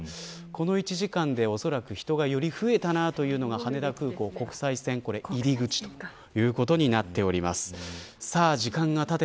この１時間でおそらく人がより増えたなというのが羽田空港国際線入口ということになっています。